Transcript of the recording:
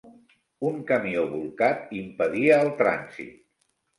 Un camió bolcat impedia el trànsit.